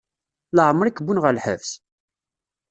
Leɛmeṛ i k-wwin ɣer lḥebs?